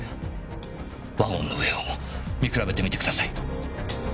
ワゴンの上を見比べてみて下さい。